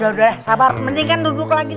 yaudah sabar mendingan duduk lagi